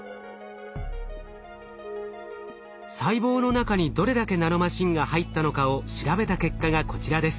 細胞の中にどれだけナノマシンが入ったのかを調べた結果がこちらです。